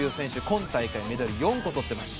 今大会メダル４個取っています。